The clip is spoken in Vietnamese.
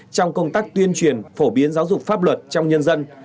trong công tác tuyên truyền phổ biến giáo dục pháp luật trong nhân dân